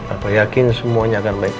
aku yakin semuanya akan baik baik aja